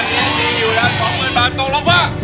อ๋อที่นี่พี่อยู่แล้วสองหมื่นบาทตกลงว่า